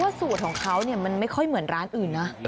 สูตรของเขามันไม่ค่อยเหมือนร้านอื่นนะ